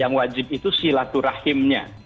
yang wajib itu silaturahimnya